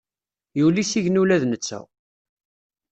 Yuli s igenni ula d netta.